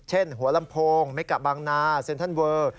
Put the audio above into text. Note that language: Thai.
เช่นหัวลำโพงเมกะบางนาเซ็นเทินเวอร์